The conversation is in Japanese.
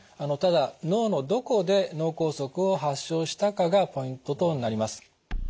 ただ脳のどこで脳梗塞を発症したかがポイントとなります。